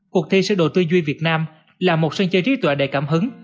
cuộc thi sơ đồ tuy duy việt nam là một sân chơi trí tuệ đầy cảm hứng